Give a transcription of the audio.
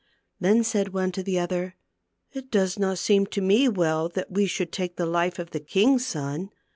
Then said one to the other, " It does not seem to me well that we should take the life of the king's son.